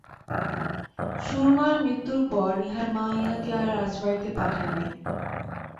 সুরমার মৃত্যুর পর ইহার মা ইহাকে আর রাজবাড়িতে পাঠায় নাই।